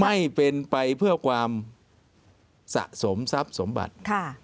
ไม่เป็นไปเพื่อความสะสมทรัพย์สมบัติ